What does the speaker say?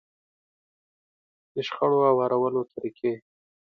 د شخړو هوارولو طريقې.